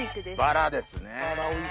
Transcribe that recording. バラですね。